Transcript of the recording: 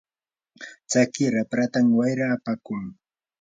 tsaki rapratam wayra apakun.